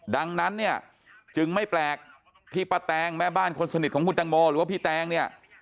ดังนั้นเนี่ยจึงไม่แปลกที่ป้าแตงแม่บ้านคนสนิทของคุณตังโมหรือว่าพี่แตงเนี่ย